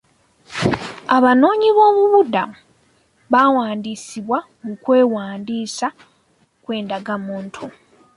Abanoonyiboobubudamu baawandisiibwa mu kwewandiisa kw'endagamuntu.